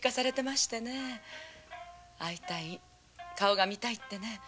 「会いたい顔が見たい」って。